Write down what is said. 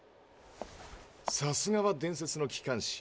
さすがは伝説の機関士。